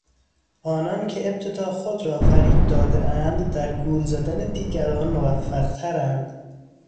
آنان که ابتدا خود را فریب دادهاند در گول زدن دیگران موفق ترند.